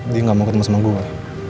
dia gak mau ketemu sama gue